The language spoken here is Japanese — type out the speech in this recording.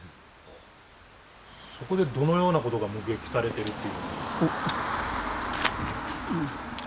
そこでどのようなことが目撃されてるっていうことなんですか？